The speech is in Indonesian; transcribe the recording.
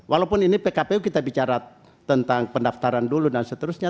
walaupun ini pkpu kita bicara tentang pendaftaran dulu dan seterusnya